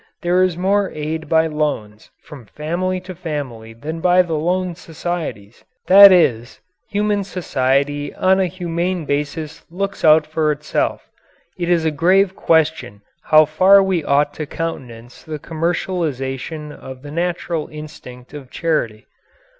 There is more aid by loans from family to family than by the loan societies. That is, human society on a humane basis looks out for itself. It is a grave question how far we ought to countenance the commercialization of the natural instinct of charity.